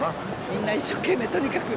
みんな一生懸命とにかく